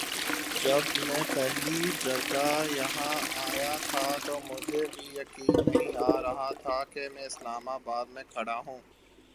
جب میں پہلی جگہ یہاں آیا تھا تو مجھے بھی یقین نہیں آ رہا تھا کہ میں اسلام آباد ہی میں کھڑا ہوں ۔